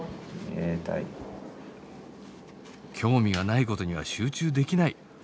興味がないことには集中できない。